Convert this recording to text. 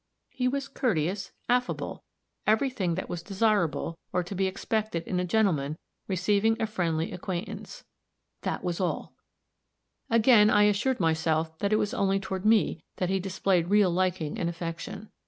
He was courteous, affable, every thing that was desirable or to be expected in a gentleman receiving a friendly acquaintance that was all; again I assured myself that it was only toward me that he displayed real liking and affection.